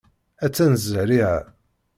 Attan zerriɛa.